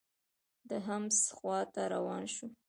د حمص خوا ته روان شو.